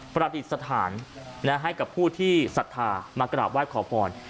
ประดิษฐานให้กับผู้ที่ศรัทธามากราบไหว้ขอพร